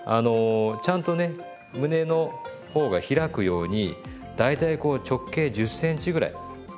ちゃんとね胸の方が開くように大体こう直径１０ｃｍぐらい。